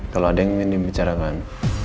kalau ada yang ingin dibicarakan